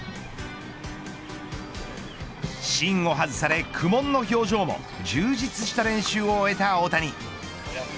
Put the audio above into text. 芯を外され苦悶の表情も充実した練習を終えた大谷。